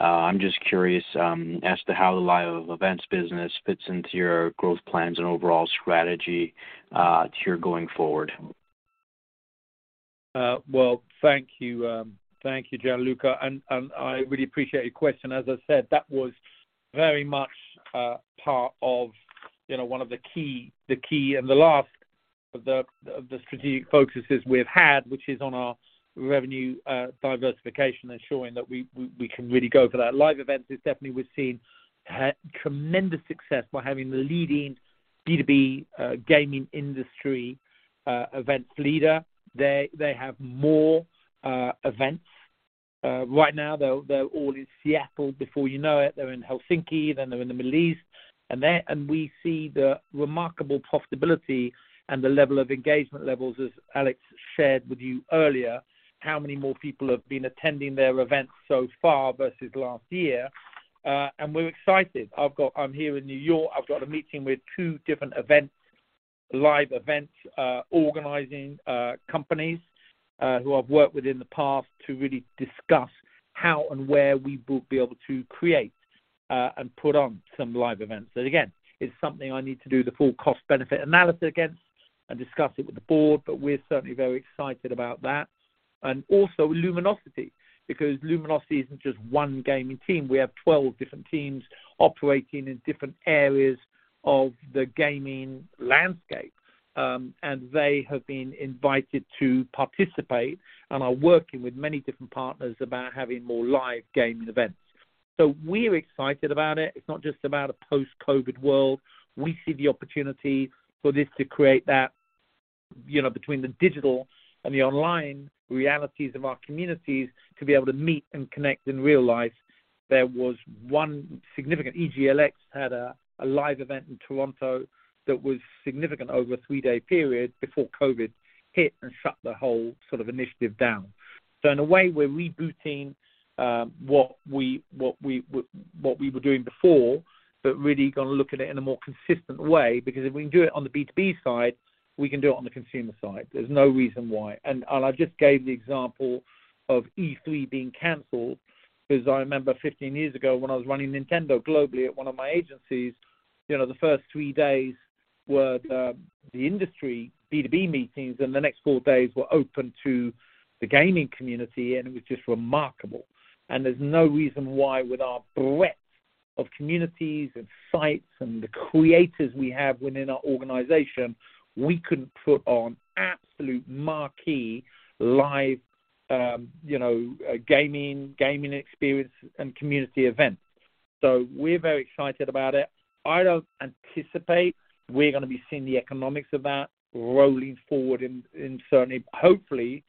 I'm just curious, as to how the live events business fits into your growth plans and overall strategy, here going forward. Well, thank you. Thank you, Gianluca. I really appreciate your question. As I said, that was very much part of, one of the key and the last of the strategic focuses we've had, which is on our revenue diversification, ensuring that we can really go for that. Live events is definitely we've seen tremendous success by having the leading B2B gaming industry events leader. They have more events right now they're all in Seattle. Before you know it, they're in Helsinki, then they're in the Middle East and there. We see the remarkable profitability and the level of engagement levels, as Alex shared with you earlier, how many more people have been attending their events so far versus last year. We're excited. I'm here in New York. I've got a meeting with two different live events organizing companies, who I've worked with in the past to really discuss how and where we will be able to create and put on some live events. Again, it's something I need to do the full cost benefit analysis against and discuss it with the board, but we're certainly very excited about that. Also Luminosity, because Luminosity isn't just one gaming team. We have 12 different teams operating in different areas of the gaming landscape. They have been invited to participate and are working with many different partners about having more live gaming events. We're excited about it. It's not just about a post-COVID world. We see the opportunity for this to create that, between the digital and the online realities of our communities to be able to meet and connect in real life. There was one significant EGLX had a live event in Toronto that was significant over a three-day period before COVID hit and shut the whole sort of initiative down. In a way, we're rebooting what we were doing before, but really going to look at it in a more consistent way. If we can do it on the B2B side, we can do it on the consumer side. There's no reason why. I just gave the example of E3 being canceled, 'cause I remember 15 years ago when I was running Nintendo globally at one of my agencies, the first three days were the industry B2B meetings, and the next four days were open to the gaming community, and it was just remarkable. There's no reason why with our breadth of communities and sites and the creators we have within our organization, we couldn't put on absolute marquee live, gaming experience and community events. We're very excited about it. I don't anticipate we're going to be seeing the economics of that rolling forward. Hopefully,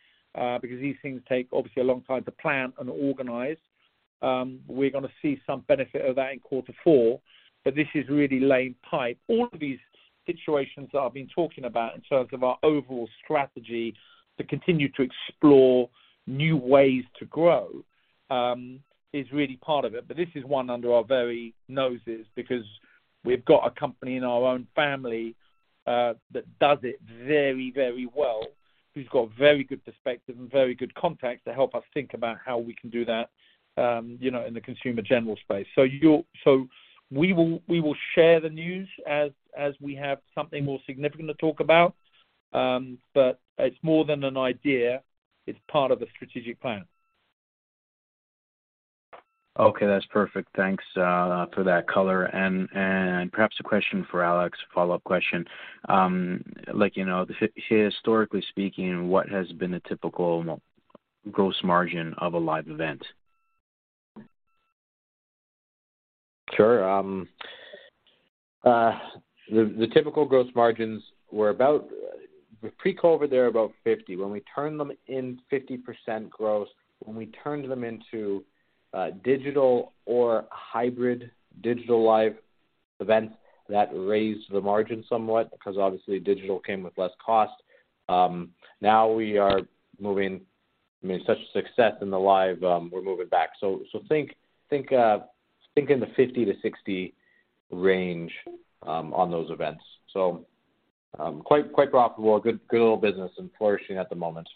because these things take obviously a long time to plan and organize, we're going to see some benefit of that in quarter four. This is really laying pipe. All of these situations that I've been talking about in terms of our overall strategy to continue to explore new ways to grow, is really part of it. This is one under our very noses because we've got a company in our own family, that does it very, very well, who's got very good perspective and very good context to help us think about how we can do that, in the consumer general space. We will share the news as we have something more significant to talk about. It's more than an idea. It's part of a strategic plan. Okay, that's perfect. Thanks for that color. Perhaps a question for Alex, a follow-up question. Like, historically speaking, what has been the typical gross margin of a live event? Sure. The typical gross margins were about. Pre-COVID, they were about 50. When we turned them in 50% gross, when we turned them into digital or hybrid digital live events, that raised the margin somewhat because obviously digital came with less cost. Now we are moving, I mean, such success in the live, we're moving back. Think in the 50-60% range, on those events. Quite, quite profitable, good little business and flourishing at the moment.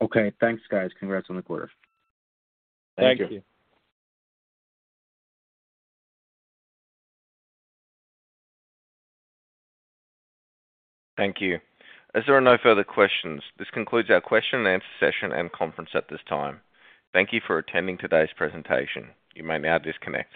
Okay. Thanks, guys. Congrats on the quarter. Thank you. Thank you. Thank you. As there are no further questions, this concludes our question and answer session and conference at this time. Thank you for attending today's presentation. You may now disconnect.